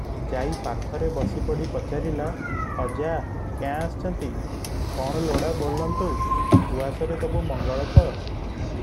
ଯାଇ ପାଖରେ ବସିପଡ଼ି ପଚାରିଲା, "ଅଜା କ୍ୟାଁ ଆସିଛନ୍ତି, କଣ ଲୋଡ଼ା ବୋଲନ୍ତୁ, ଉଆସରେ ସବୁ ମଙ୍ଗଳ ତ?"